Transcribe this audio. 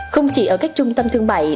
không chỉ ở các trung tâm thương mại